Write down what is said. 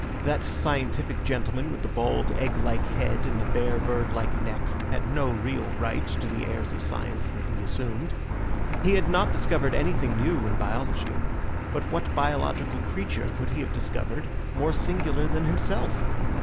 That scientific gentleman with the bald, egg like head and the bare, bird like neck had no real right to the airs of science that he assumed. He had not discovered anything new in biology; but what biological creature could he have discovered more singular than himself?